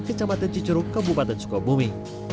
kecamatan cicuruk kabupaten sukabumi